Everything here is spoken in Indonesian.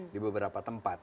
di beberapa tempat